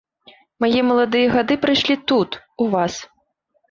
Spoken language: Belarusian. Мае маладыя гады прайшлі тут, у вас.